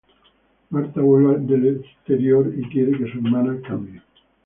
Marta vuelve del exterior y quiere que su hermana cambie.